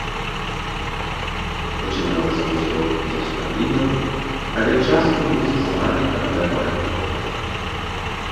Пачыналася ўсё з успамінаў, але часам людзі самі аддавалі фота.